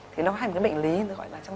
thì nó là một cái bệnh lý gọi là trong